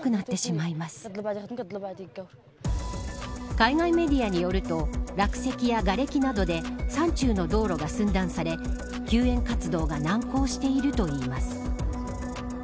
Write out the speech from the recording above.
海外メディアによると落石やがれきなどで山中の道路が寸断され救援活動が難航しているといいます。